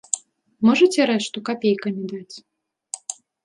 Можаце рэшту капейкамі даць?